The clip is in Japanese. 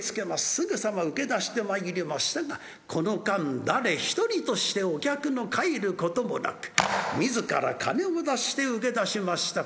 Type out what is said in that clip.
すぐさま請け出してまいりましたがこの間誰一人としてお客の帰ることもなく自ら金を出して請け出しました